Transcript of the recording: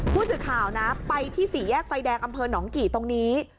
ผู้สื่อข่าวนะไปที่สี่แยกไฟแดงอำเภอหนองกี่ตรงนี้